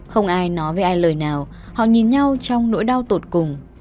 không ai nói về ai lời nào họ nhìn nhau trong nỗi đau tột cùng